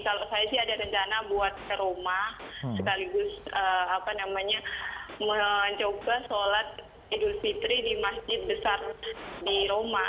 kalau saya sih ada rencana buat ke rumah sekaligus mencoba sholat idul fitri di masjid besar di roma